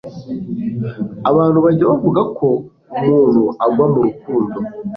abantu bajya bavuga ko umuntu agwa murukundo